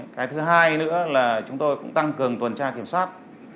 cái thứ hai nữa là chúng tôi cũng tăng cường tuần tra kiểm soát